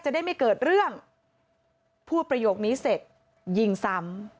ได้ไม่เกิดเรื่องพูดประโยคนี้เสร็จยิงซ้ำ